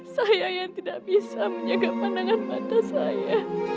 saya yang tidak bisa menjaga pandangan mata saya